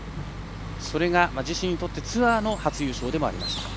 それが自身にとってツアーの初優勝でもありました。